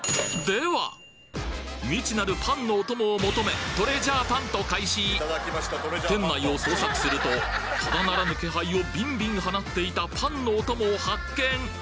未知なるパンのお供を求め店内を捜索するとただならぬ気配をビンビン放っていたパンのお供を発見！